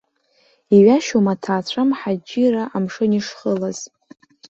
Иҩашьом аҭаацәа мҳаџьырра амшын ишхылаз.